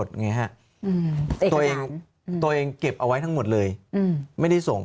ตัวเองตัวเองเก็บเอาไว้ทั้งหมดเลยไม่ได้ส่ง